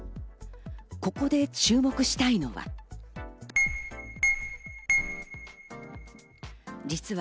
ここで注目したいのは。